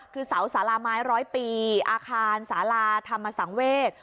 คือเสาสาราไม้ร้อยปีอาคารสาราธรรมสังเวศ